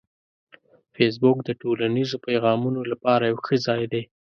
فېسبوک د ټولنیزو پیغامونو لپاره یو ښه ځای دی